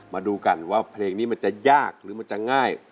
มาดูกันว่าเพลงนี้มันจะยากหรือมันจะง่าย